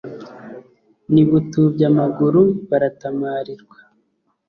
n'i butubya-maguru baratamarirwa.